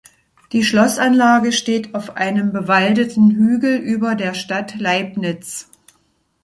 Die Schlossanlage steht auf einem bewaldeten Hügel über der Stadt Leibnitz.